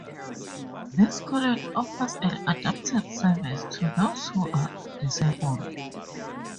This college offers an adapted service to those who are disabled.